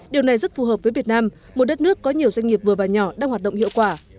điều này rất phù hợp với việt nam một đất nước có nhiều doanh nghiệp vừa và nhỏ đang hoạt động hiệu quả